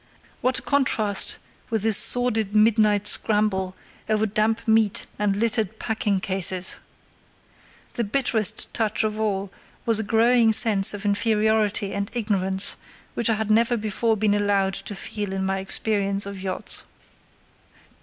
What a contrast with this sordid midnight scramble, over damp meat and littered packing cases! The bitterest touch of all was a growing sense of inferiority and ignorance which I had never before been allowed to feel in my experience of yachts.